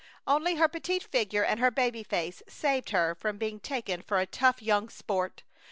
Only her petite figure and her baby face saved her from being taken for a tough young sport.